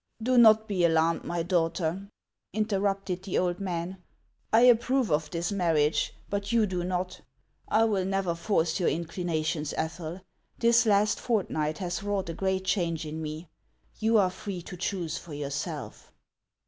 " Do not be alarmed, my daughter," interrupted the old man ;" I approve of this marriage, but you do not. I will never force your inclinations, Ethel. This last fortnight has wrought a great change in me ; you are free to choose for yourself."